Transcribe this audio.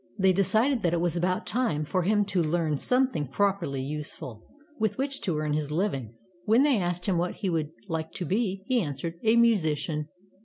They decided that it was about time for him to learn something properly useful, with which to earn his living. When they asked him what he would like to be, he answered, ''A musician.